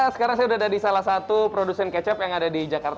sekarang saya sudah ada di salah satu produsen kecap yang ada di jakarta